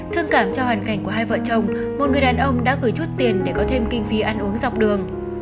thương cảm cho hoàn cảnh của hai vợ chồng một người đàn ông đã gửi chút tiền để có thêm kinh phí ăn uống dọc đường